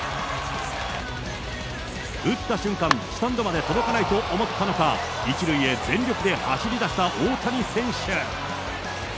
打った瞬間、スタンドまで届かないと思ったのか、１塁へ全力で走りだした大谷選手。